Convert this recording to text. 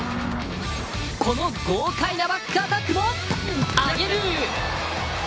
この豪快なバックアタックも上げる。